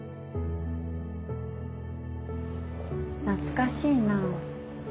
懐かしいなあ。